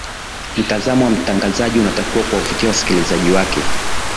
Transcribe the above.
mtazamo wa mtangazaji unatakiwa kuwavutia wasikilizaaji wake